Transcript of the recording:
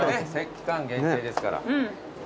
期間限定ですから。